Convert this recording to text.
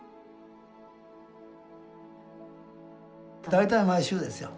大体毎週ですよ。